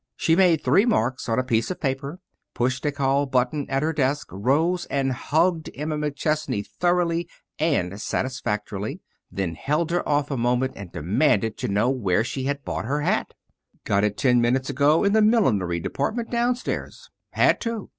She made three marks on a piece of paper, pushed a call button at her desk, rose, and hugged Emma McChesney thoroughly and satisfactorily, then held her off a moment and demanded to know where she had bought her hat. "Got it ten minutes ago, in the millinery department downstairs. Had to.